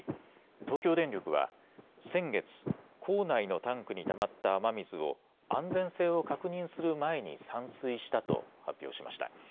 東京電力は先月、構内のタンクにたまった雨水を安全性を確認する前に散水したと発表しました。